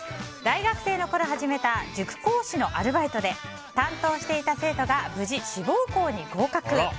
大学生の頃始めた塾講師のアルバイトで担当していた生徒が無事、志望校に合格。